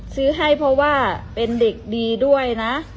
ซื้อให้เพราะว่าเป็นเด็กดีด้วยนะ